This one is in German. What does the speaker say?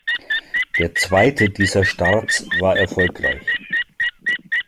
Der zweite dieser Starts war erfolgreich.